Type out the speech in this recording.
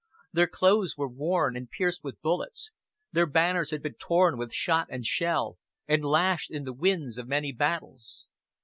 Their clothes were worn, and pierced with bullets, their banners had been torn with shot and shell, and lashed in the winds of many battles.